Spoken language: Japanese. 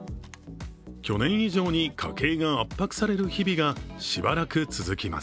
去年以上に家計が圧迫される日々がしばらく続きます。